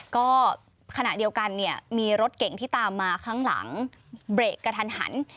ก็ขณะเดียวกันเนี่ยมีรถเก่งที่ตามมาข้างหลังเบรกกระทันหัน